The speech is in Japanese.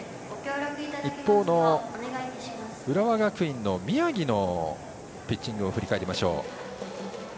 一方の浦和学院の宮城のピッチングを振り返りましょう。